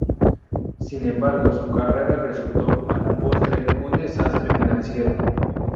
Sin embargo, su carrera resultó a la postre un desastre financiero.